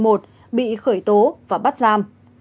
một bị khởi tố và bắt giam